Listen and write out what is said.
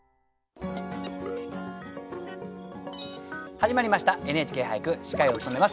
始まりました「ＮＨＫ俳句」司会を務めます